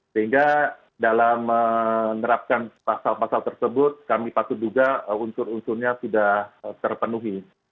sehingga dalam menerapkan pasal pasal tersebut kami patut duga unsur unsurnya sudah terpenuhi